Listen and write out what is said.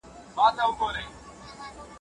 باید د منډېلا یادښتونه په پوره غور سره مطالعه کړو.